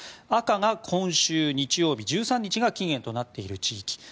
赤が今週日曜日１３日が期限となっている地域。